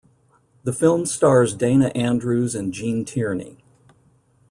The film stars Dana Andrews and Gene Tierney.